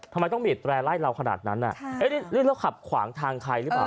ทำไมต้องบีดแร่ไล่เราขนาดนั้นหรือเราขับขวางทางใครหรือเปล่า